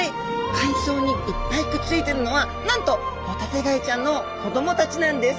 海藻にいっぱいくっついてるのはなんとホタテガイちゃんの子どもたちなんです！